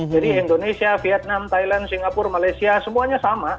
indonesia vietnam thailand singapura malaysia semuanya sama